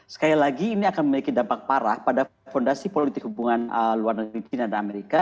sekali lagi ini akan memiliki dampak parah pada fondasi politik hubungan luar negara china